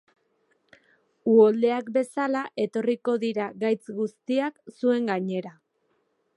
Uholdeak bezala etorriko dira gaitz guztiak zuen gainera